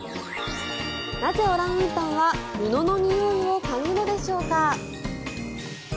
なぜ、オランウータンは布のにおいを嗅ぐのでしょうか。